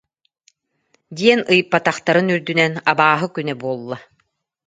диэн ыйыппатахтарын үрдүнэн: «Абааһы күнэ буолла